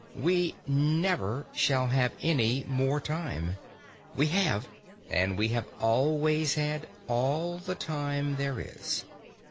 We never shall have any more time. We have, and we have always had, all the time there is.